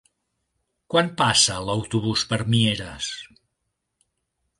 Quan passa l'autobús per Mieres?